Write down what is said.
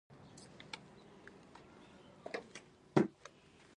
د فزیک پرمختګ تمځای نه لري.